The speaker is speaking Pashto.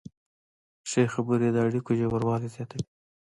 ښې خبرې د اړیکو ژوروالی زیاتوي.